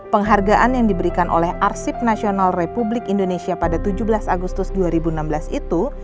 penghargaan yang diberikan oleh arsip nasional republik indonesia pada tujuh belas agustus dua ribu enam belas itu